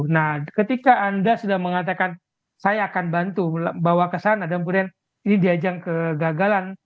nah ketika anda sudah mengatakan saya akan bantu bawa ke sana dan kemudian ini diajang kegagalan